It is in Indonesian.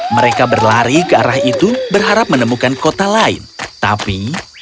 mereka berlari ke arah itu berharap menemukan kota lain tapi